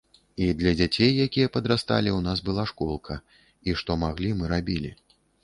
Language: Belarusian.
І для дзяцей, якія падрасталі, у нас была школка, і што маглі, мы рабілі.